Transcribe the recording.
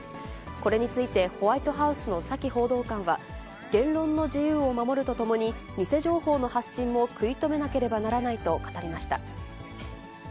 これについて、ホワイトハウスのサキ報道官は、言論の自由を守るとともに、偽情報の発信も食い止めなければならないと語りました。